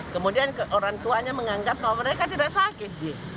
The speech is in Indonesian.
kemudian orang tuanya menganggap bahwa mereka tidak sakit